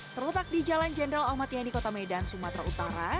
terletak di jalan jenderal ahmad yani kota medan sumatera utara